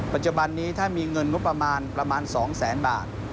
ปัจจุบันนี้ถ้ามีเงินงบประมาณประมาณ๒แสนบาท